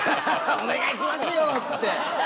「お願いしますよ」つって。